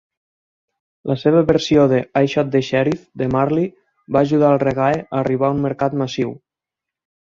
La seva versió de "I Shot the Sheriff" de Marley va ajudar al reggae a arribar a un mercat massiu.